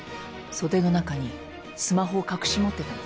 袖の中にスマホを隠し持ってたの。